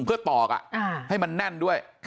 เพื่อตอกให้มันแน่นด้วย